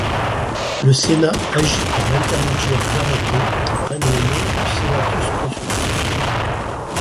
Le Sénat agit par l'intermédiaire d'arrêtés qui prennent le nom de sénatus-consultes.